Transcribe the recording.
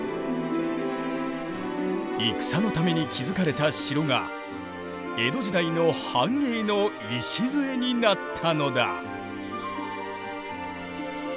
戦のために築かれた城が江戸時代の繁栄の礎になったのだ。